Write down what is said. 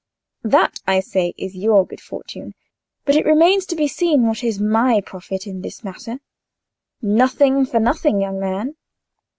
That, I say, is your good fortune. But it remains to be seen what is my profit in the matter. Nothing for nothing, young man.